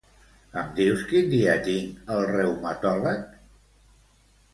Em dius quin dia tinc el reumatòleg?